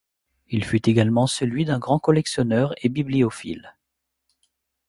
Il fut également celui d'un grand collectionneur et bibliophile.